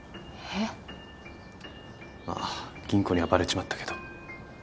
まあ吟子にはバレちまったけど。